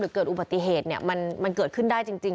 เกิดอุบัติเหตุมันเกิดขึ้นได้จริง